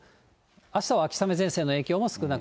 あしたは秋雨前線の影響も少なく。